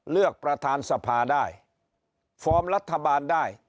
เลือกประธานสภาได้ฟอร์มรัฐบาลได้